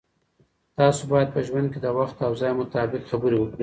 تاسو باید په ژوند کې د وخت او ځای مطابق خبرې وکړئ.